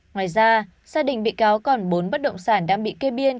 ngoài ra gia đình bị cáo còn bốn bất động sản đang bị kê biên